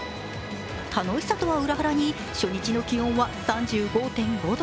楽しさとは裏腹に、初日の気温は３５．５度。